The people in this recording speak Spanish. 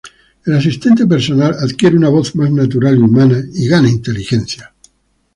El asistente personal adquiere una voz más natural y humana, y gana inteligencia.